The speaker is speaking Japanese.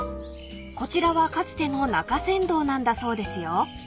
［こちらはかつての中山道なんだそうですよ］